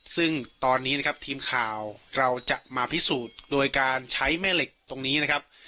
ซึ่งตอนนี้นะครับทีมข่าวเราจะมาพิสูจน์โดยการใช้แม่เหล็กตรงนี้นะครับ